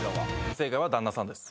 正解は旦那さんです。